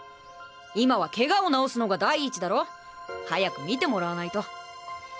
今はケガを治すのが第一だろ？早く診てもらわないと。